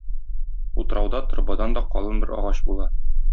Утрауда торбадан да калын бер агач була.